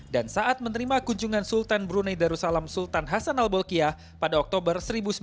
dan saat menerima kunjungan sultan brunei darussalam sultan hasan al bolkiah pada oktober seribu sembilan ratus delapan puluh empat